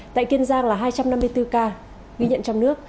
tại kiên giang là hai trăm năm mươi bốn ca ghi nhận trong nước